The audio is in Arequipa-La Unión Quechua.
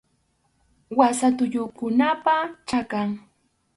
Wasa tullukunapa chakan.